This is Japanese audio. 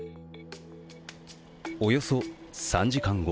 およそ３時間後